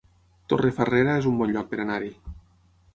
Torrefarrera es un bon lloc per anar-hi